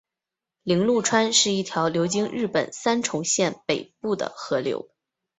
铃鹿川是一条流经日本三重县北部的河流。